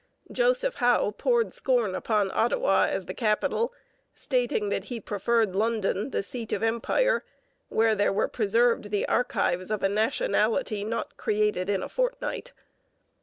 Joseph Howe poured scorn upon Ottawa as the capital, stating that he preferred London, the seat of empire, where there were preserved 'the archives of a nationality not created in a fortnight.'